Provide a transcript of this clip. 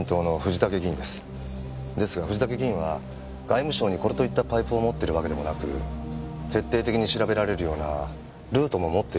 ですが藤竹議員は外務省にこれといったパイプを持ってるわけでもなく徹底的に調べられるようなルートも持ってるとも思えなくて。